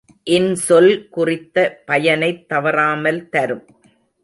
இன்சொல் குறித்த பயனைத் தவறாமல் தரும்.